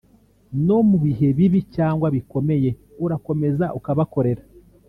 no mu bihe bibi cyangwa bikomeye urakomeza ukabakorera